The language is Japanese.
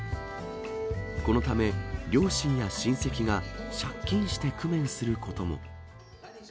このため、両親や親戚が借金して工面することも。